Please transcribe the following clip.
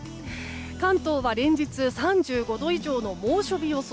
関東は連日３５度以上の猛暑日予想。